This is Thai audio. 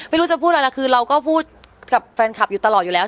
ไม่รู้จะพูดอะไรนะคือเราก็พูดกับแฟนคลับอยู่ตลอดอยู่แล้ว